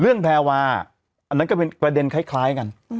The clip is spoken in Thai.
แพรวาอันนั้นก็เป็นประเด็นคล้ายกัน